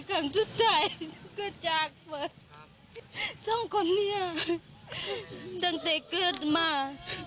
สมเพศขอบคุณครับตอนตั้งแต่เกิดมา